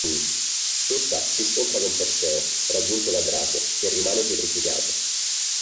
Questa, si scontra con Perseo, raggiunto da Draco, che rimane pietrificato.